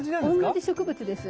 同じ植物です。